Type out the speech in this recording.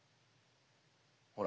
ほら。